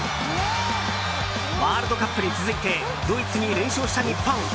ワールドカップに続いてドイツに連勝した日本。